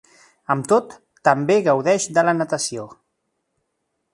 Amb tot, també gaudeix de la natació.